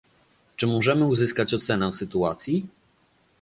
Czy możemy uzyskać ocenę sytuacji?